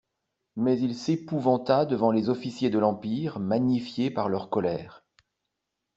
Mais il s'épouvanta devant les officiers de l'Empire magnifiés par leur colère.